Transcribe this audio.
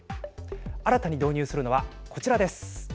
新たに導入するのはこちらです。